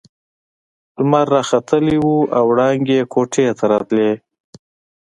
لمر راختلی وو او وړانګې يې کوټې ته راتلې.